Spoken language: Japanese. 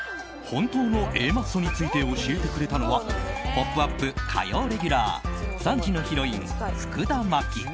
本当のＡマッソについて教えてくれたのは「ポップＵＰ！」火曜レギュラー３時のヒロイン、福田麻貴。